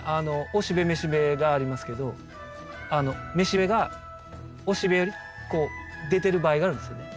雄しべ雌しべがありますけど雌しべが雄しべよりこう出てる場合があるんですよね。